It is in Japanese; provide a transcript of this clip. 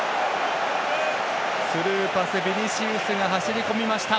スルーパス、ビニシウスが走りこみました。